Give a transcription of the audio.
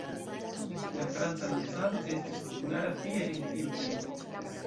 La frapa dancado estis populara tie en tiu tempo.